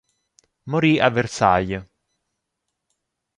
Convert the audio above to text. Morì a Versailles.